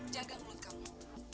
jaga mulut kamu